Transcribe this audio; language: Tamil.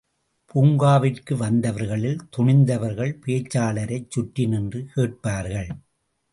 பூங்காவிற்கு வந்தவர்களில் துணிந்தவர்கள் பேச்சாளரைச் சுற்றி நின்று கேட்பார்கள்.